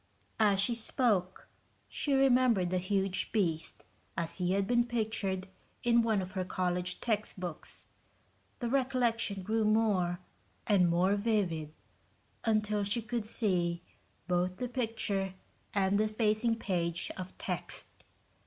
As she spoke, she remembered the huge beast as he had been pictured in one of her college textbooks. The recollection grew more and more vivid, until she could see both the picture and the facing page of text.